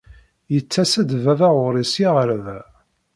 Yettas-d baba ɣur-i ssya ɣer da.